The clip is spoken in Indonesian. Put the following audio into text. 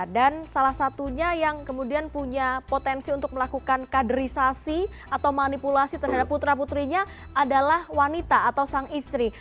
dan salah satunya yang kemudian punya potensi untuk melakukan kaderisasi atau manipulasi terhadap putra putrinya adalah wanita atau sang istri